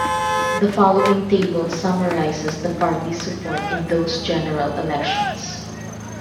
The following table summarises the party's support in those general elections.